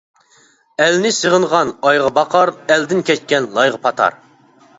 ئەلنى سېغىنغان ئايغا باقار، ئەلدىن كەچكەن لايغا پاتار.